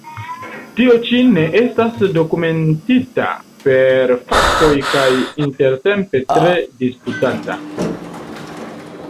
Tio ĉi ne estas dokumentita per faktoj kaj intertempe tre disputata.